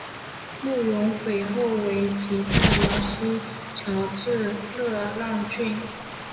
慕容廆后为其在辽西侨置乐浪郡。